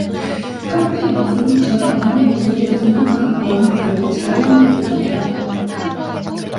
할 때 영숙은 자기 어머니 목소리에서 생각하던 바와는 다르게 자애 로움을 느끼었다.